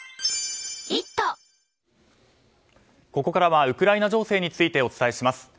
ここからはウクライナ情勢についてお伝えします。